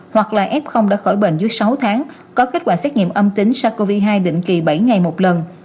hoặc là f đã khỏi bệnh dưới sáu tháng có kết quả xét nghiệm âm tính sars cov hai định kỳ bảy ngày một lần